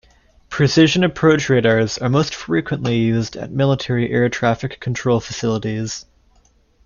Precision approach radars are most frequently used at military air traffic control facilities.